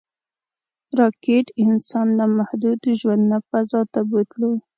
راکټ انسان له محدود ژوند نه فضا ته بوتلو